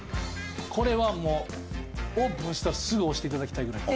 これはもうオープンしたらすぐ押していただきたいぐらい。